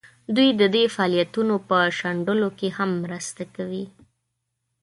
دوی د دې فعالیتونو په شنډولو کې هم مرسته کوي.